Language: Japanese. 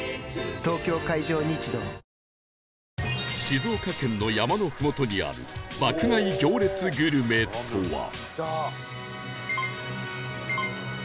静岡県の山のふもとにある爆買い行列グルメとは？